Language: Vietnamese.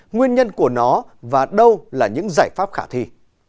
nguyên nhân của nó và đâu là những giải pháp khả thi